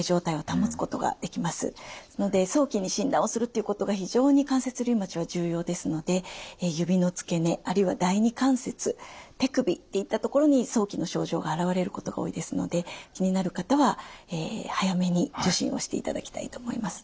早期に診断をするっていうことが非常に関節リウマチは重要ですので指のつけ根あるいは第二関節手首っていったところに早期の症状が現れることが多いですので気になる方は早めに受診をしていただきたいと思います。